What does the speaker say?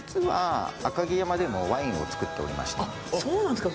そうなんですか？